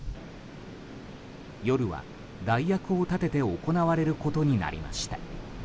夜は、代役を立てて行われることになりました。